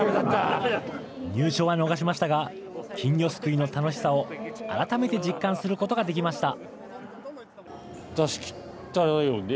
入賞は逃しましたが、金魚すくいの楽しさを、改めて実感することができました。